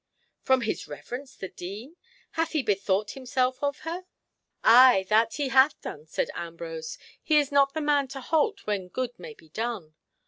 "From his reverence the Dean? Hath he bethought himself of her?" "Ay, that hath he done," said Ambrose. "He is not the man to halt when good may be done.